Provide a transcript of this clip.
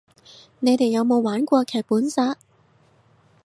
你哋有冇玩過劇本殺